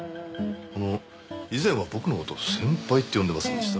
あの以前は僕の事先輩って呼んでませんでした？